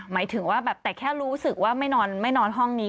หมายถึงว่าแบบแต่แค่รู้สึกว่าไม่นอนห้องนี้